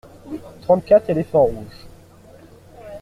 Trente-quatre éléphants rouges.